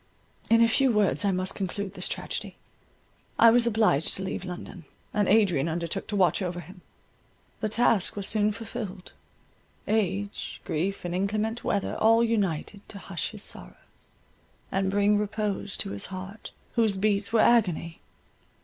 In a few words I must conclude this tragedy. I was obliged to leave London, and Adrian undertook to watch over him; the task was soon fulfilled; age, grief, and inclement weather, all united to hush his sorrows, and bring repose to his heart, whose beats were agony.